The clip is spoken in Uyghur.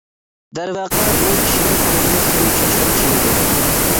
دەرۋەقە ئۇ كىشىنىڭ قولىدىن خېلى چوڭ ئىشلار كېلىدۇ.